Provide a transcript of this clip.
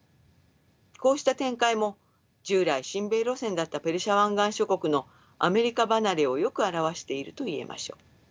こうした展開も従来親米路線だったペルシャ湾岸諸国のアメリカ離れをよく表していると言えましょう。